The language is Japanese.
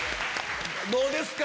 どうですか？